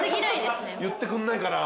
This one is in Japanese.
言ってくんないから。